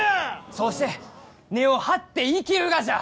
そうして根を張って生きるがじゃ！